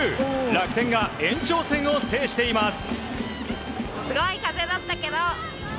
楽天が延長戦を制しています。